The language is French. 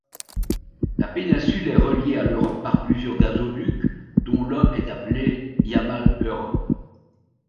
La péninsule est reliée à l'Europe par plusieurs gazoducs, dont l'un est appelé Yamal-Europe.